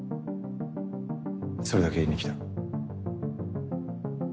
それだけ言いに来た。